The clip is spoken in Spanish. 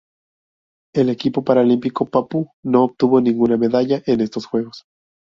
El equipo paralímpico papú no obtuvo ninguna medalla en estos Juegos.